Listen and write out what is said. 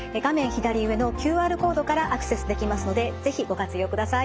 左上のＱＲコードからアクセスできますので是非ご活用ください。